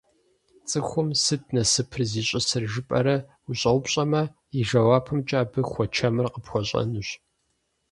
Цӏыхум «сыт насыпыр зищӏысыр?» жыпӏэрэ ущӏэупщӏэмэ, и жэуапымкӏэ абы хуэчэмыр къыпхуэщӏэнущ.